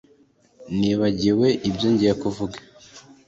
Nibagiwe ibyo ngiye kuvuga